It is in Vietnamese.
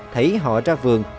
thấy họ ra vườn